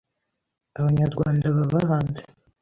abanyarwanda baba hanze